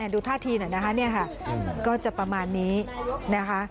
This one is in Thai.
ดูท่าทีเนี่ยค่ะก็จะประมาณนี้นะคะ